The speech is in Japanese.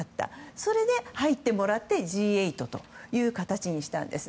なので、入ってもらってＧ８という形にしたんです。